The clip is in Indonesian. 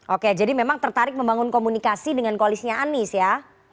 oke jadi memang tertarik membangun komunikasi dengan koalisnya anies ya